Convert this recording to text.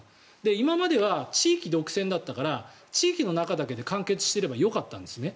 今までは地域独占だったから地域の中だけで完結していればよかったんですね。